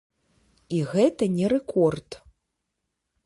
І гэта не рэкорд.